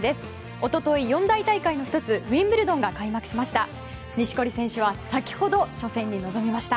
一昨日、四大大会の１つウィンブルドンが開幕しました。